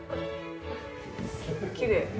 きれい。